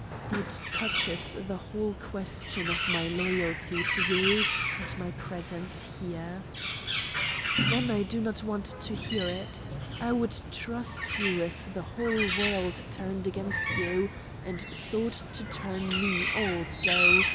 "It touches the whole question of my loyalty to you and my presence here." "Then I do not want to hear it. I would trust you if the whole world turned against you, and sought to turn me also.